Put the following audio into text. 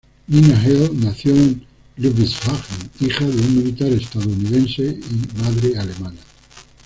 Nina Elle nació en Ludwigshafen, hija de un militar estadounidense y de madre alemana.